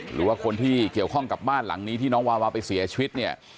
หรือว่าคนที่เกี่ยวข้องกับบ้านหลังนี้ที่น้องวาวาไปเสียชีวิตเนี่ย